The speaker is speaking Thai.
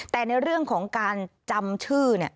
แต่ในเรื่องของการจำชื่อ